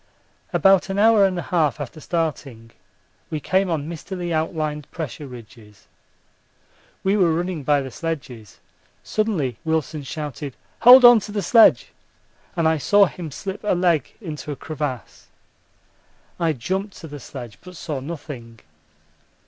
About an hour and a half after starting we came on mistily outlined pressure ridges. We were running by the sledges. Suddenly Wilson shouted 'Hold on to the sledge,' and I saw him slip a leg into a crevasse. I jumped to the sledge, but saw nothing.